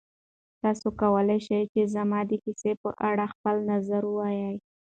تاسو کولی شئ چې زما د کیسې په اړه خپل نظر ووایئ.